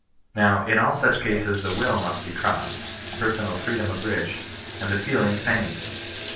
Kow, in ail such cases the wHl must be crossed, the per sonal freedom abridged, and the feelings pained.